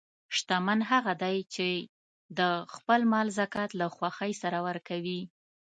شتمن هغه دی چې د خپل مال زکات له خوښۍ سره ورکوي.